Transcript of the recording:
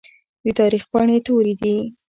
د تاريخ پاڼې تورې دي.